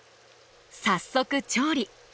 早速調理。